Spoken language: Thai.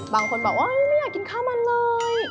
บางคนบอกโอ๊ยไม่อยากกินข้าวมันเลย